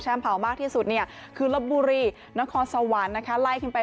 เผามากที่สุดเนี่ยคือลบบุรีนครสวรรค์นะคะไล่ขึ้นไป